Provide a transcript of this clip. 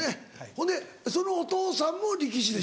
ほんでそのお父さんも力士でしょ？